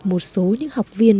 một số những học viên